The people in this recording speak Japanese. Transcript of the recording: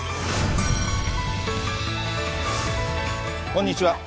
こんにちは。